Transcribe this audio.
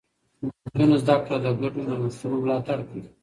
د نجونو زده کړه د ګډو نوښتونو ملاتړ کوي.